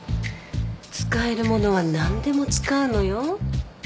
使えるものは何でも使うのよ。